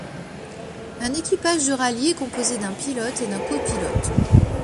Un équipage de rallye est composé d'un pilote et d'un copilote.